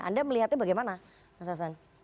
anda melihatnya bagaimana mas hasan